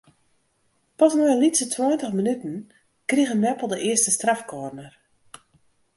Pas nei in lytse tweintich minuten krige Meppel de earste strafkorner.